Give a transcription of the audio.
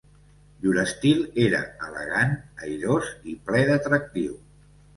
Llur estil era elegant, airós i ple d'atractiu.